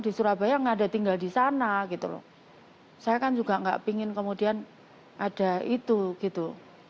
di surabaya nggak ada tinggal di sana gitu loh saya kan juga nggak ingin kemudian ada itu gitu